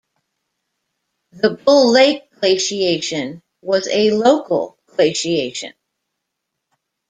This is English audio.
The Bull Lake glaciation was a local glaciation.